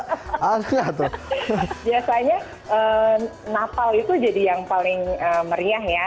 biasanya natal itu jadi yang paling meriah ya